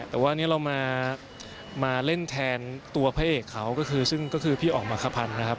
แต่ว่าอันนี้เรามาเล่นแทนตัวพระเอกเขาก็คือซึ่งก็คือพี่อ๋อมมักคพันธ์นะครับ